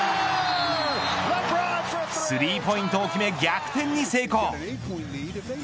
スリーポイントを決め逆転に成功。